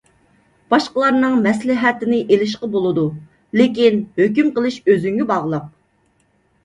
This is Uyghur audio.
باشقىلارنىڭ مەسلىھەتىنى ئېلىشقا بولىدۇ، لېكىن ھۆكۈم قىلىش ئۆزۈڭگە باغلىق.